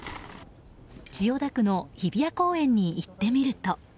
千代田区の日比谷公園に行ってみると。